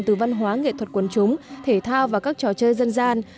từ văn hóa nghệ thuật quần chúng thể thao và các trò chơi dân gian